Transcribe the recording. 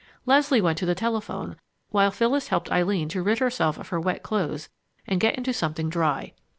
Leslie went to the telephone, while Phyllis helped Eileen to rid herself of her wet clothes and get into something dry.